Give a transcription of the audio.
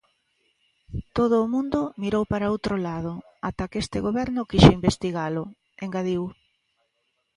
"Todo o mundo mirou para outro lado ata que este Goberno quixo investigalo", engadiu.